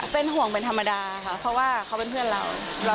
เป็นห่วงเป็นธรรมดาค่ะเพราะว่าเขาเป็นเพื่อนเรา